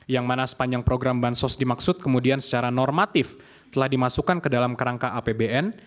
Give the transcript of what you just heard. yang mana sepanjang program bansos dimaksud kemudian secara normatif telah dimasukkan ke dalam kerangka apbn